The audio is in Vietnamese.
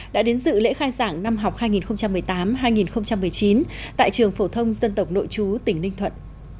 đã đến dự lễ khai giảng năm học hai nghìn một mươi tám hai nghìn một mươi chín tại trường phổ thông dân tộc nội chú tỉnh ninh thuận